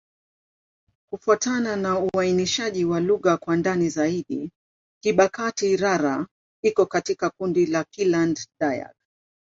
Kufuatana na uainishaji wa lugha kwa ndani zaidi, Kibakati'-Rara iko katika kundi la Kiland-Dayak.